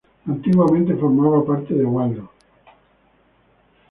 Antiguamente formaba parte de Waldo.